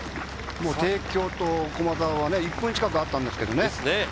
帝京と駒澤は１分近くあったんですけどね。